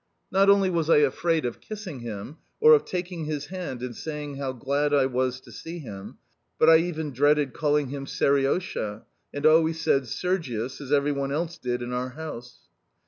Not only was I afraid of kissing him, or of taking his hand and saying how glad I was to see him, but I even dreaded calling him "Seriosha" and always said "Sergius" as every one else did in our house.